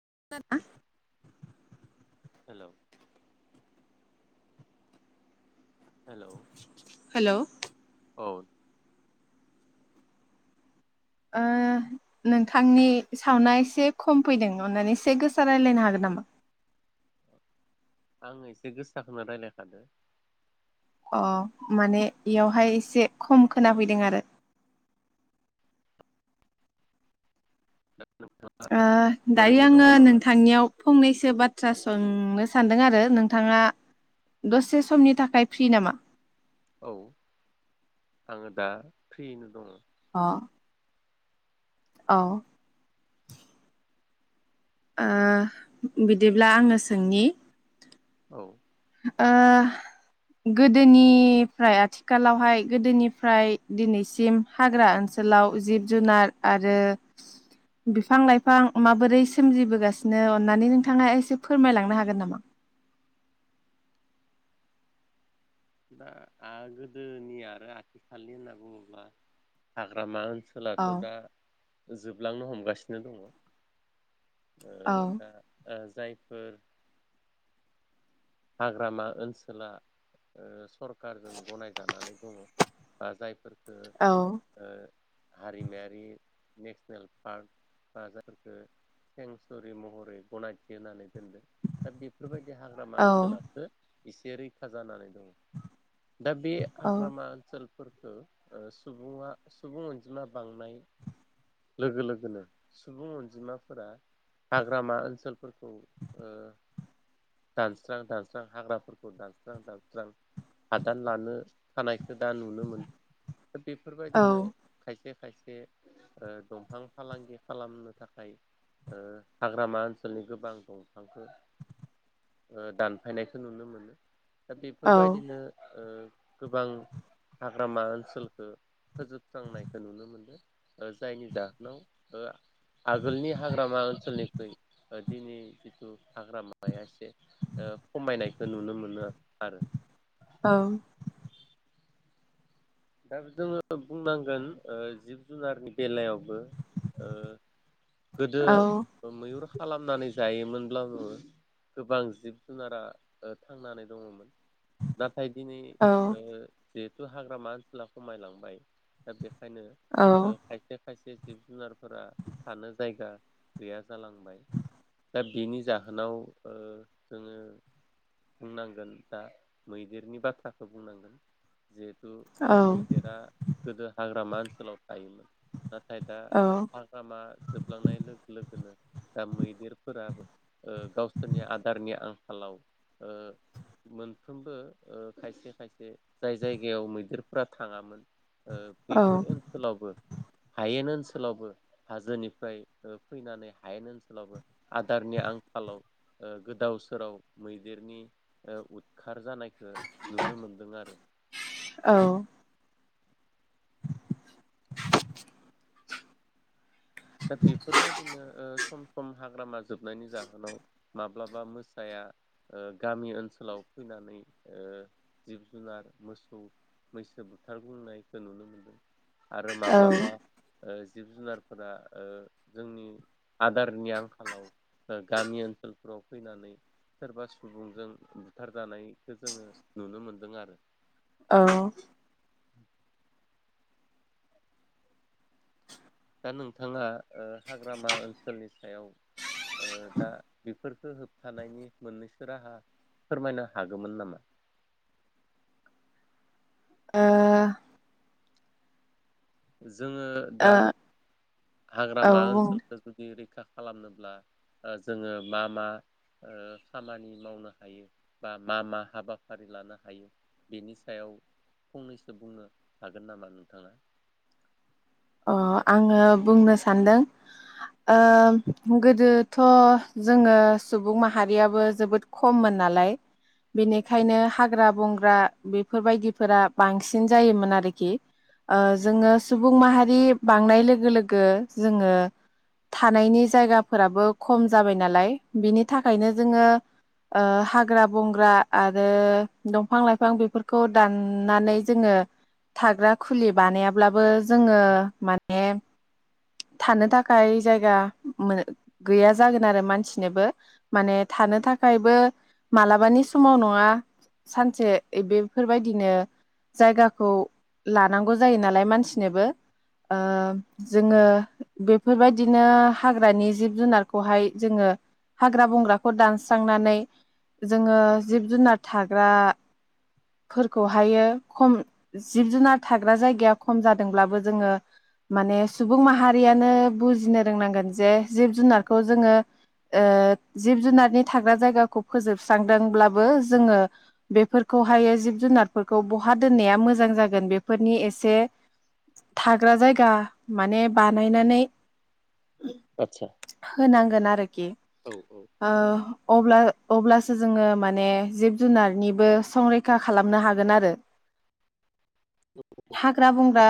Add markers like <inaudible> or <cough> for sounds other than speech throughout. <unintelligible> हेल' hello. Hello औ। ओ नोंथांनि सावना एसे खम फैदों अननानै एसे गोसा रायज्लायनो हागोन नामा? आङो एसे गोसाखौनो रायलायखादो। अ माने इयावहाय एसे खम खोनाफैदों आरो। दा ओ दायो ओरैनो दङ आङो नामा नोंथांनियाव फंनैसो बाथ्रा सोंनो सानदों आरो नोंथाङा दसे समनि थाखाय फ्रि नामा? औ आङो दा फ्रियैनो दङ। अ। औ। ओ बिदिब्ला आंनो सोंनि। औ। ओ गोदोनिफ्राय आथिखालावहाय गोदोनिफ्राय दिनैसिम हाग्रा ओनसोलाव जिब जुनार आरो बिफां लाइफां माबोरै सोमजिबोगासिनो अन्नानै नोंथाङा एसे फोरमायलांनो हागोन नामा? दा आ गोदोनि आरो आथिखालनि होनना बुङोब्ला हाग्रामा ओन औ सोलाथ' दा जोब लांनो हमगासिनो दङ'। औ। दा जायफोर हाग्रामा ओनसोला ओ सरखारजों गनायजानानै दङ। ओ जाय फोरखो औ ओ हारिमायारि नेसनेल पार्क बा जायफोरफोरखौ सेंसुरि महरै गनायथि होनानै दों दा बेफोरबायदि हाग्रामा ओन औ। एसे रैखा जानानै दं। दा बे हाग्रामा ओनसोल फोरखौ ओ सुबुङा सुबुं अनजिमा बांनाय लोगो लोगोनो सुबुं अनजिमाफोरा हाग्रामा ओनसोल फोरखौ ओ दानस्रां दानस्रां हाग्राफोरखौ दानस्रां दानस्रां हादान लानो थानायखौ दा नुनो मोन औ बेफोरबायदिनो खायसे खायसे खायसे ओ दंफां फालांगि खालामनो थाखाय ओ हाग्रामा ओनसोलनि गोबां दंफांखो ओ दानफायनायखौ नुनो मोनो। दा औ बेफोरबायदिनो ओ गोबां हाग्रामा ओनसोलखौ फोजोबस्रांनायखौ नुनो मोनदों। जायनि जाहोनाव ओ आगोलनि हाग्रामा ओनसोलनिख्रुइ ओ दिनै जिथु हाग्रामाया एसे ओ खमायनायखौ नुनो मोनो आ-आरो। औ। दा जोङो बुंनांगोन ओ जिब जुनारनि बेलायाव ओ गोदो औ मैयुर। खालामनानै जायोमोनब्लाबो गोबां जिब जुनारा ओ थांनानै दङमोन। नाथाय दिनै औ ओ जिहुते हाग्रामा। सोला खमायलांबाय दा बे खायनो ओ खायफाया खायसे जिब जुनारफोरा थानो जायगा गैया जालांबाय दा बिनि जाहोनाव ओ जोङो बुंनांगोन दा मैदेरनि बाथ्राखौ बुंनांगोन जिहेथु। ओ मैदेरा गोदो हाग्रामा सोलाव थायोमोन। नाथाय दा औ हाग्रामा जोबलांनाय लोगो लोगोनो दा मैदेरफोराबो ओ गावसोरनि आदारनि आं फालाव ओ मोनफ्रोमबो ओ खायसे खायसे जाय जायगायाव मैदेर फुरा थाङामोन। ओ औ बेफोर ओनसोलावबो। हायेन ओनसोलावबो हाजोनिफ्राय ओ फैनानै हायेन ओनसोलावबो आदारनि आंखालाव ओ गोदाव सोराव मैदेरनि ओ उदखा थार जानायखौ नुनो मोनदों आरो। <inaudible> दा बेफोरबायदिनो ओ सम सम हाग्रामा जोबनायनि जाहोनाव माब्लाबा मोसाया ओ गामि ओनसोलाव फैनानै ओ जिब जुनार मोसौ मैसो बुथार ग्लुंनायखौ नुनो मोनदों। आरो माब्लाबा। ओ जिब जुनारफोरा। ओ जोंनि आदारनि आंखालाव गामि ओनसोलफोराव फैनानै सोरबा सुबुंजों बुथारजानायखौ जोङो नुनो मोनदों आरो। औ। दा नोंथाङा औ हाग्रामा ओनसोलनि सायाव। ओ दा फोरखो होबथानायनि मोननैसो राहा फोरमायनो हागौमोन नामा। ओ <unintelligible> जोङो दा ओ औ हाग्रामा बुं ओनसोलखौ जुदि खा खालामनोब्ला ओ जोङो मा मा ओ खामानि मावनो हायो बा मा मा हाबाफारि लानो हायो बेनि सायाव फंनैसो बुंनो हागोन नामा नोंथाङा। अ आङो बुंनो सानदों ओ गोदोथ जोङो सुबुं माहारियाबो जोबोद खममोन नालाय बेनिखायनो हाग्रा बंग्रा बेफोरबायदिफोरा बांसिन जायोमोन आरोखि ओ जोङो सुबुं माहारि। रि बांनाय लोगो लोगो जोङो थानायनि जायगाफोराबो खम जाबाय नालाय बिनि थाखायनो जोङो ओ हाग्रा बंग्रा आरो दंफां लाइफां बेफोरखौ दाननानै जोङो थाग्रा खुलि बानायाब्लाबो जोङो माने थानो थाखाय जायगा गैया जागोन आरो मानसिनोबो माने थानो थाखायबो मालाबानि समाव नङा सानसे बेफोरबायदिनो जायगाखौ लानांगौ जायो नालाय मानसिनोबो। ओ जोङो बेफोरबायदिनो हाग्रानि जिब जुनारखौहाय जोङो हाग्रा बंग्राखौ दानस्रांनानै जोङो जिब जुनार थाग्राफोरखौहायो खम जिब जुनार थाग्रा जायगाया खम जादोंब्लाबो जोङो माने सुबुं माहारियानो बुजिनो रोंनांगोन जे जिब जुनारखौ जोङो ओ जिब जुनारनि थाग्रा जायगाखौ फोजोबस्रांदोंब्लाबो जोङो बेफोरखौहाय जिब जुनारफोरखौ बहा दोननाया मोजां जागोन बेफोरनि एसे था ग्रा जायगा माने बानायनानै। आतसा होनांगोन आरोखि औ औ ओ अब्ला। अब्लासो जोङो माने जिब जुनारनिबो संरैखा खालामनो हागोन आरो हाग्रा बंग्रा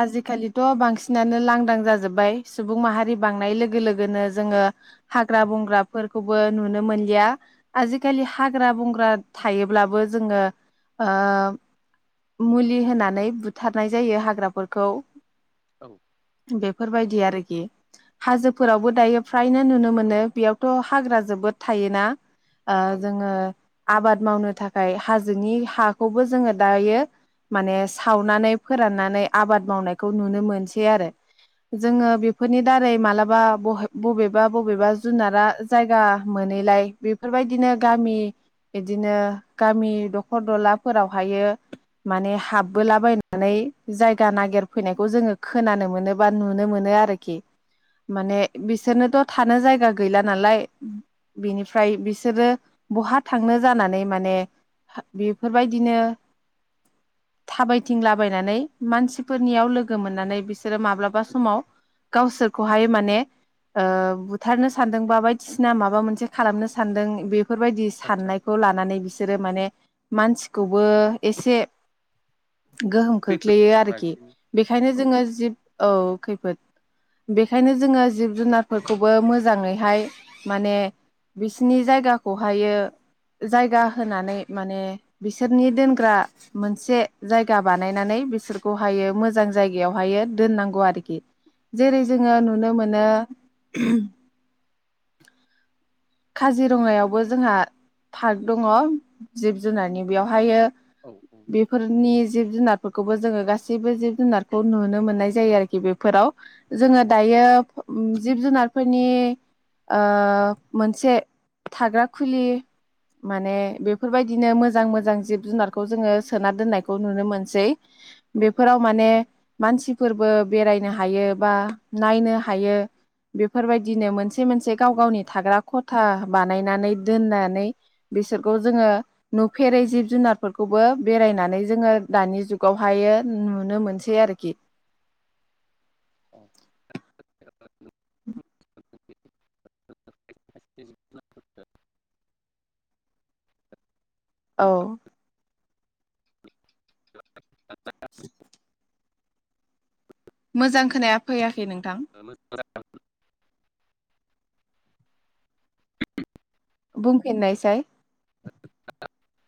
आजिखालिथ' बांसिनानो लांदां जाजोब्बाय सुबुं माहारि बांनाय लोगो लोग गोनो औ जोङो हाग्रा बंग्रा फोरखौबो नुनो मोनलिया आजिखालि हाग्रा बंग्रा थायोब्लाबो जोङो ओ मुलि होनानै बुथारनाय जायो हाग्राफोर खौ औ फोरबायदि आरोखि हाजोफोरावबो दायो फ्रायनो नुनो मोनो बेयावथ' हाग्रा जोबोद थायोना ओ औ जोङो आबाद मावनो थाखाय हाजोनि हाखौबो जोङो दायो माने सावनानै फोराननानै आबाद मावनायखौ नुनो मोनसै आरो जोङो बेफोरनि दारै मालाबा बहाय बबेबा बबेबा जुनारा जायगा मोनैलाय बेफोरबायदिनो गामि इदिनो गामि दखर दलाफोरावहायो माने हाबबोलाबायनानै जायगा नागिरफैनायखौ जोङो खोनानो मोनो बा नुनो मोनो आरोखि माने बिसोरनोथ' थानो जायगा गैला नालाय बिनिफ्राय बिसोरो बहा थांनो जानानै माने हा बेफोरबायदिनो थाबायथिंलाबायनानै मानसिफोरनियाव लोगो मोननानै बिसोरो माब्लाबा समाव गावसोरखौहाय माने ओ बुथारनो सान्दों बा बायदिसिना माबा मोनसे खालामनो सान्दों बे फोरबायदि आतसा साननायखौ लानानै बिसोरो माने मानसिखौबो एसे गोहोम खोख खैफोद ग्लैयो आरोखि मानसिनि बेखायनो औ जोङो जिब औ खैफोद बेखायनो जोङो जिब जुनारफोरखौबो मोजाङैहाय माने बिसिनि जायगाखौहायो सोरखौहायो मोजां जायगायावहायो दोननांगौ आरोखि औ जेरै जोङो नुनो मोन नो <inaudible> काजिरङायावबो जोंहा पार्क दङ जिब जुनारनि बेवहायो औ बेफोरनि जिब जुनारफोरखौबो जोङो गासैबो जिब जुनारखौ नुनो मोननाय जायो आरोखि बेफोराव जोङो दायो ओम जिब जुनारफोरनि ओ मोनसे थाग्रा खुलि माने बेफोरबायदिनो मोजां मोजां जिब जुनारखौ जोङो सोना दोननायखौ नुनो मोनसै औ बेफोराव माने मानसिफोरबो बेरायनो हायो बा नायनो हायो बेफोरबायदिनो मोनस से मोनसे गाव गावनि थाग्रा खथा बानायनानै दोननानै बिसोरखौ जोङो नुफेरै जिब जुनारफोरखौबो बेरायनानै जोङो दानि जुगावहायो नुनो मोनसै आरोखि औ <inaudible> <unintelligible> औ <inaudible> <inaudible> मोजां खोनाया फैया नोंथां <inaudible> बुंफिननायसाय। <inaudible>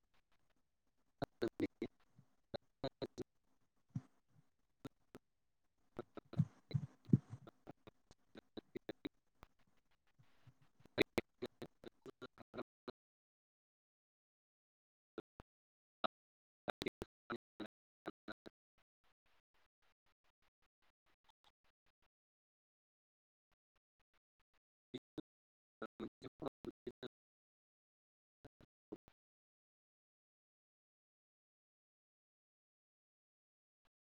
<inaudible> <inaudible> <inaudible> <inaudible>